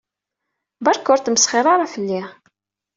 Beṛka ur tmesxiṛ ara fell-i.